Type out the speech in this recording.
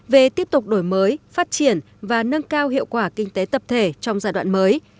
về tiếp tục đổi mới phát triển và nâng cao hiệu quả kinh tế tập thể trong giai đoạn mới